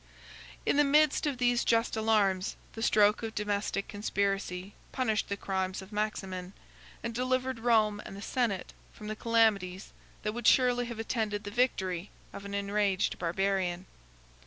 In the midst of these just alarms, the stroke of domestic conspiracy punished the crimes of Maximin, and delivered Rome and the senate from the calamities that would surely have attended the victory of an enraged barbarian.